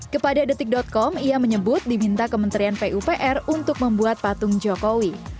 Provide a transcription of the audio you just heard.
kepada detik com ia menyebut diminta kementerian pupr untuk membuat patung jokowi